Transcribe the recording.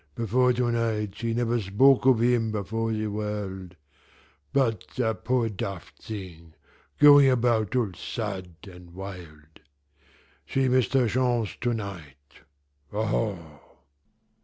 Before to night she never spoke of him before the world but a poor daft thing, going about all sad and wild. She missed her chance to night aho!"